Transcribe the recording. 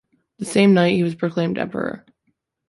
The same night, he was proclaimed emperor.